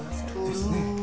ですねえ。